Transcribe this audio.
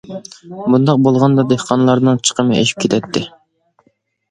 بۇنداق بولغاندا دېھقانلارنىڭ چىقىمى ئېشىپ كېتەتتى.